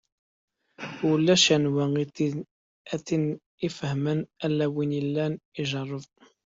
Ulac anwa i ten-ifehmen, ala win yellan ijerreb.